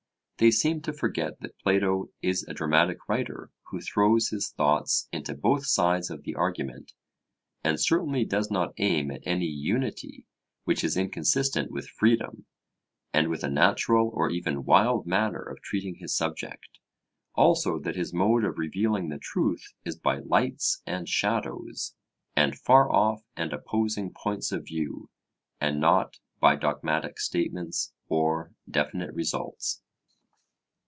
They seem to forget that Plato is a dramatic writer who throws his thoughts into both sides of the argument, and certainly does not aim at any unity which is inconsistent with freedom, and with a natural or even wild manner of treating his subject; also that his mode of revealing the truth is by lights and shadows, and far off and opposing points of view, and not by dogmatic statements or definite results.